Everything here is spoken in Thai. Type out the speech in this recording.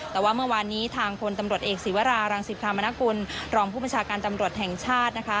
แต่ว่าเมื่อวานนี้ทางพลตำรวจเอกศีวรารังศิพรามนกุลรองผู้บัญชาการตำรวจแห่งชาตินะคะ